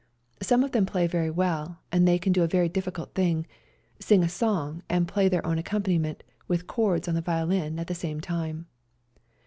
Some of them play very well, and they can do a very difficult thing — sing a song and play their own accompaniment with chords on the violin at the same time.